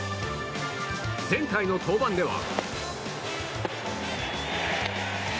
前回の登板では。